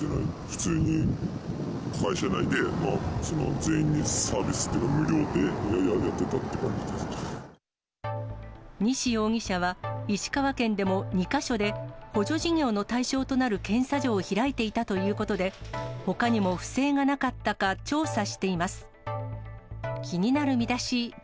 普通に会社内で全員にサービスっていうか、西容疑者は、石川県でも２か所で補助事業の対象となる検査所を開いていたということで、ほかにも不正がなかったか、調査しています。